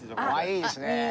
いいですね。